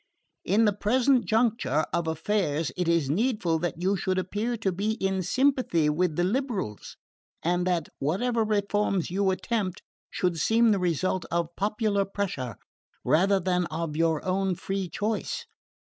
In the present juncture of affairs it is needful that you should appear to be in sympathy with the liberals, and that whatever reforms you attempt should seem the result of popular pressure rather than of your own free choice.